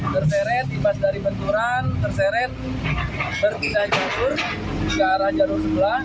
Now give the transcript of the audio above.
terseret tibas dari benturan terseret berpindah jatuh ke arah jarum sebelah